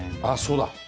あっそうだ。